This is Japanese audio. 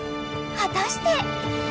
［果たして？］